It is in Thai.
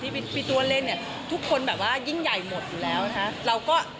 พี่ตัวเล่นเนี่ยทุกคนแบบว่ายิ่งใหญ่หมดอยู่แล้วนะคะ